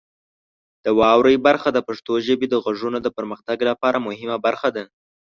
د واورئ برخه د پښتو ژبې د غږونو د پرمختګ لپاره مهمه برخه ده.